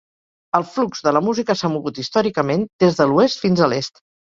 El flux de la música s'ha mogut històricament des de l'oest fins a l'est.